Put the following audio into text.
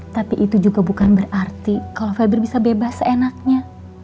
tapi itu juga bukan berarti kalau fiber bisa bebas seenaknya